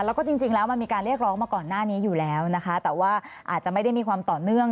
แล้วก็จริงแล้วมันมีการเรียกร้องมาก่อนหน้านี้อยู่แล้วนะคะแต่ว่าอาจจะไม่ได้มีความต่อเนื่อง